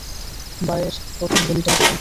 বাঁয়ের প্রথম গলিটায় যাবে।